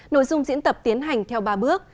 nội dung diễn tập tiến hành theo ba bước